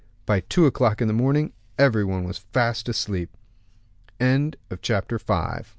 By two o'clock in the morning every one was fast asleep. Chapter VI.